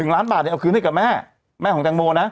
๑ล้านบาทเนี่ยเอาคืนให้กับแม่แม่ของแตงโมนะ